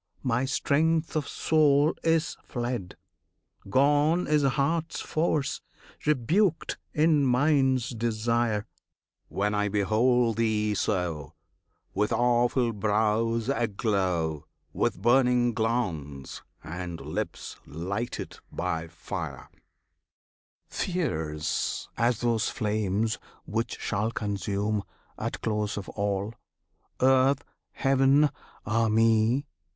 My strength of soul is fled, Gone is heart's force, rebuked is mind's desire! When I behold Thee so, With awful brows a glow, With burning glance, and lips lighted by fire Fierce as those flames which shall Consume, at close of all, Earth, Heaven! Ah me!